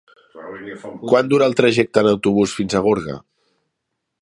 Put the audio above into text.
Quant dura el trajecte en autobús fins a Gorga?